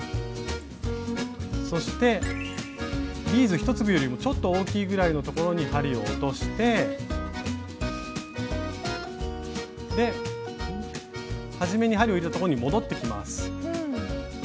そしてビーズ１粒よりもちょっと大きいぐらいのところに針を落として始めに針を入れたところに戻ってきます。